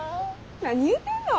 何言うてんの！